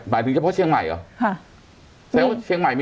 ถึงเฉพาะเชียงใหม่เหรอ